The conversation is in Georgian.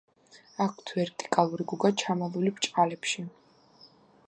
აქვთ ვერტიკალური გუგა, ჩამალული ბრჭყალები.